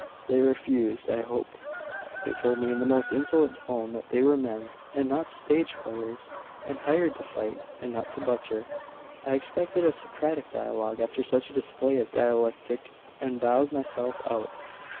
'They refused, I hope.' 'They told me in the most insolent tone that they were men, and not stage players; and hired to fight, and not to butcher. I expected a Socratic dialogue after such a display of dialectic, and bowed myself out.